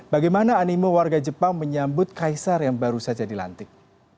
bagaimana animo warga jepang menyambut kaisar yang baru saja dilantik